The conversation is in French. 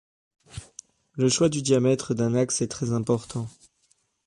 Le choix du diamètre d'un axe est très important.